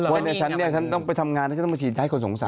ว่าฉันนี้ฉันต้องไปทำงานแล้วฉันต้องมาฉีดยากให้คนสงสาร